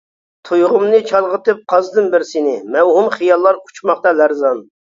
تۇيغۇمنى چالغىتىپ قازدىم بىر سېنى، مەۋھۇم خىياللار ئۇچماقتا لەرزان.